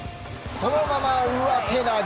そのまま上手投げ！